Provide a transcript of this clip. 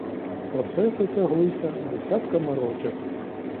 Процеси тяглися десятками років.